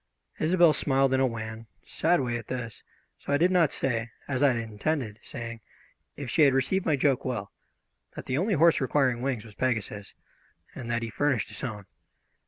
Isobel smiled in a wan, sad way at this, so I did not say, as I had intended saying if she had received my joke well, that the only horse requiring wings was Pegasus, and that he furnished his own.